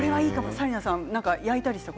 紗理奈さん、焼いたりは。